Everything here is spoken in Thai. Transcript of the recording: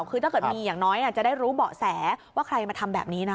คือถ้าเกิดมีอย่างน้อยจะได้รู้เบาะแสว่าใครมาทำแบบนี้นะ